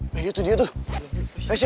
kale itu bukan emosiaknya